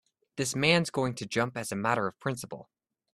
This man's going to jump as a matter of principle.